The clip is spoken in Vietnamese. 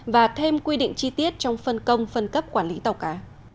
và thêm quy định chi tiết trong phân công phân cấp quản lý tàu cá